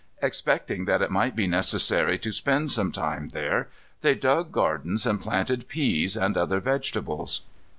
Expecting that it might be necessary to spend some time there, they dug gardens and planted peas and other vegetables.